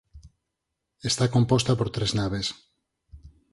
Está composta por tres naves.